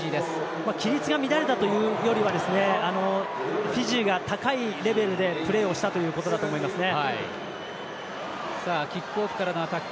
規律が乱れたというよりはフィジーが高いレベルでプレーをしたということだと思いますね。